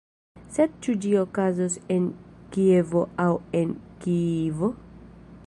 Sed ĉu ĝi okazos en Kievo aŭ en Kijivo?